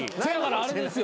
あれですよ